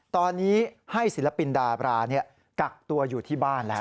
ตอนนี้ให้ศิลปินดาบรากักตัวอยู่ที่บ้านแล้ว